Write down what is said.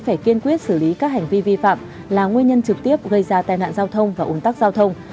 phải kiên quyết xử lý các hành vi vi phạm là nguyên nhân trực tiếp gây ra tai nạn giao thông và ủng tắc giao thông